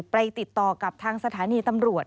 ติดต่อกับทางสถานีตำรวจ